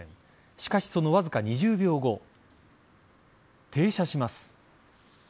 しかし、そのわずか２０秒後停車します。